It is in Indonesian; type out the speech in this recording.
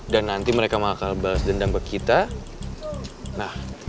dan nanti mereka bakal bales dendam ke kita